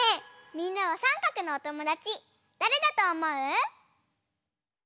みんなはさんかくのおともだちだれだとおもう？